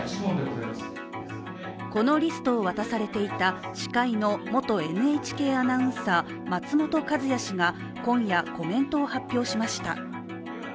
このリストを渡されていた司会の元ＮＨＫアナウンサー・松本和也氏が今夜コメントを発表しました。